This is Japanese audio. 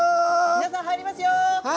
皆さん入りますよ！